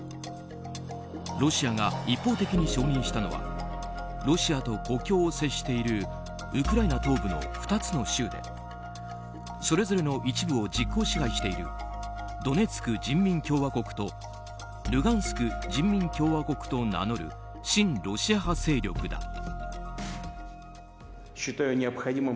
ロシアが一方的に承認したのはロシアと国境を接しているウクライナ東部の２つの州でそれぞれの一部を実効支配しているドネツク人民共和国とルガンスク人民共和国と名乗る親ロシア派勢力だ。